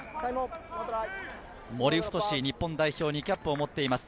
森太志、日本代表、２キャップを持っています。